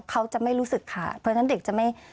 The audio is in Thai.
เขาจะไม่รู้สึกขาดเพราะฉะนั้นเด็กจะไม่